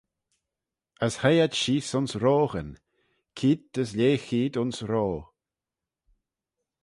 As hoie ad sheese ayns roaghyn, keead as lieh-cheead ayns roa.